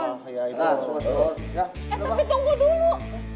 eh tapi tunggu dulu